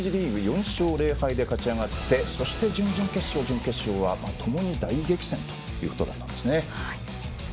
１次リーグ４勝０敗で勝ち上がってそして準々決勝、準決勝はともに大激戦ということなんですね。